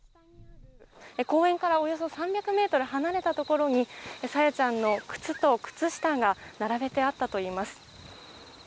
公園からおよそ３００ｍ離れたところに朝芽ちゃんの靴と靴下が並べてあったといいます。